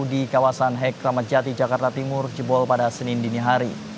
di kawasan hek kramatjati jakarta timur jebol pada senin dinihari